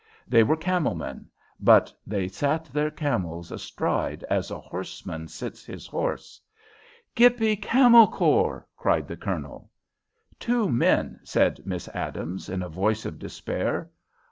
They were camel men, but they sat their camels astride as a horseman sits his horse. "Gippy Camel Corps!" cried the Colonel. "Two men," said Miss Adams, in a voice of despair.